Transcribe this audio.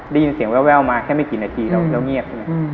ได้ยินเสียงแววมาแค่ไม่กี่นาทีแล้วเงียบใช่ไหม